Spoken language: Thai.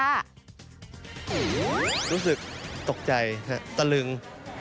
รู้สึกตกใจฮะตะลึง